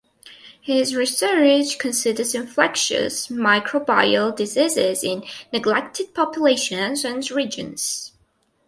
His research considers infectious microbial diseases in neglected populations and regions.